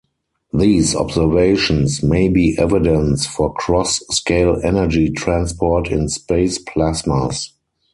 These observations may be evidence for cross-scale energy transport in space plasmas.